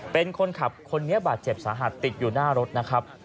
เป็นคนขับคนนี้บาดเจ็บสาหัสติดอยู่หน้ารถนะครับ